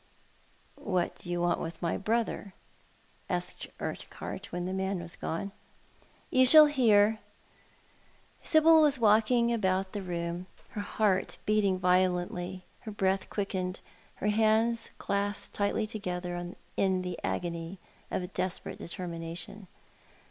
"What do you want with my brother?" asked Urquhart, when the man was gone. " You shall hear." Sibyl was walking about the room, her heart beating violently, her breath quickened, her hands clasped tightly together in the agony of a desperate determination.